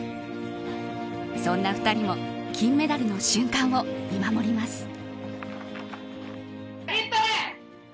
そんな２人も金メダルの瞬間を見守ります。